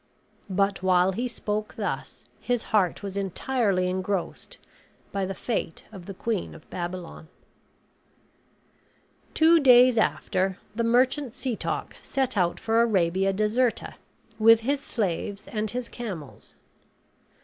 But while he spoke thus, his heart was entirely engrossed by the fate of the Queen of Babylon. Two days after, the merchant Setoc set out for Arabia Deserta, with his slaves and his camels.